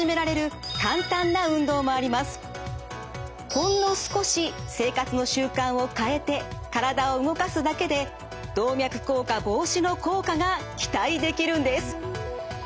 ほんの少し生活の習慣を変えて体を動かすだけで動脈硬化防止の効果が期待できるんです。